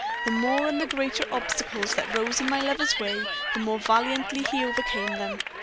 The more and the greater the obstacles that rose in my lover's way, the more valiantly he overcame them.